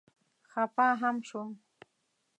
خفه هم شوم.